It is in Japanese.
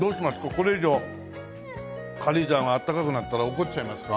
これ以上軽井沢が暖かくなったら怒っちゃいますか？